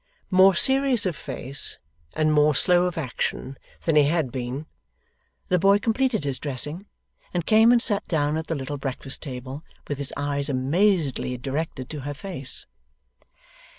More serious of face, and more slow of action, than he had been, the boy completed his dressing, and came and sat down at the little breakfast table, with his eyes amazedly directed to her face.